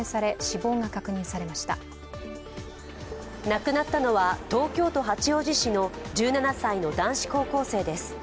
亡くなったのは東京都八王子市の１７歳の男子高校生です。